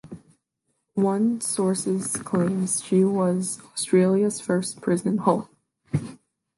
One sources claims she was Australia's first prison hulk.